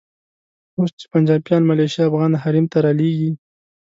اوس چې پنجابیان ملیشې افغان حریم ته رالېږي.